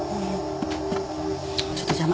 ちょっと邪魔。